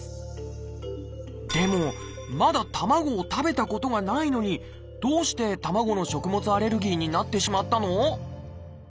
でもまだ卵を食べたことがないのにどうして卵の食物アレルギーになってしまったの？